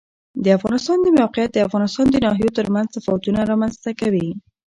د افغانستان د موقعیت د افغانستان د ناحیو ترمنځ تفاوتونه رامنځ ته کوي.